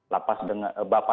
bapas dengan masyarakat